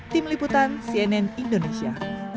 tim liputan cnn indonesia